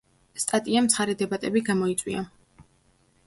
სტატიამ ცხარე დებატები გამოიწვია.